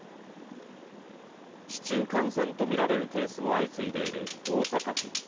市中感染と見られるケースも相次いでいる大阪府。